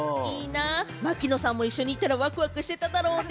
槙野さんも一緒に行ったら、ワクワクしてただろうね。